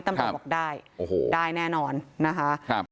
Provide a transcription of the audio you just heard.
ตำรวจบอกได้ได้แน่นอนนะคะ